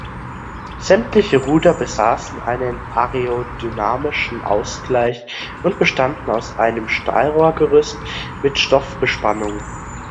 Sämtliche Ruder besaßen einen aerodynamischen Ausgleich und bestanden aus einem Stahlrohrgerüst mit Stoffbespannung.